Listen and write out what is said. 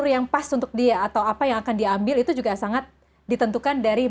kira kira ini jalur yang pas untuk dia atau apa yang akan diambil itu juga sangat ditentukan dari bagian itu ya